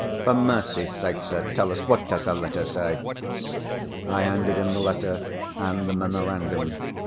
For mercy's sake, sir, tell us, what does her letter say?" I handed him the letter, and the memorandum.